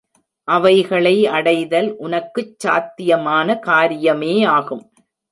அவைகளை அடைதல் உனக்குச் சாத்தியமான காரியமேயாகும்.